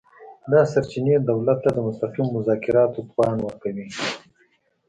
دا سرچینې دولت ته د مستقیمو مذاکراتو توان ورکوي